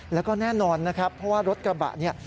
แล้วก็แน่นอนนะครับเพราะว่ารถกระบะเนี่ย